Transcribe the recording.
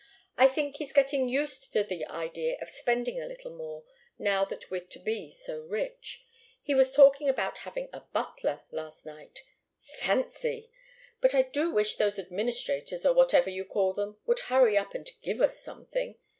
"I think he's getting used to the idea of spending a little more, now that we're to be so rich. He was talking about having a butler, last night. Fancy! But I do wish those administrators, or whatever you call them, would hurry up and give us something.